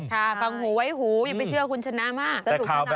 ฟังหูไว้หูอย่าไปเชื่อคุณชนะมากสนุกสนาน